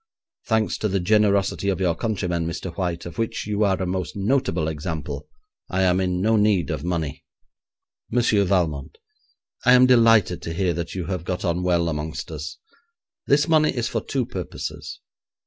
Thanks to the generosity of your countrymen, Mr White, of which you are a most notable example, I am in no need of money.' 'Monsieur Valmont, I am delighted to hear that you have got on well amongst us. This money is for two purposes.